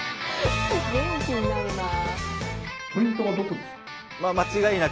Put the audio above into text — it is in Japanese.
元気になるなぁ。